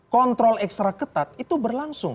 kontrol ekstra ketat itu berlangsung